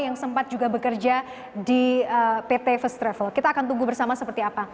yang sempat juga bekerja di pt first travel kita akan tunggu bersama seperti apa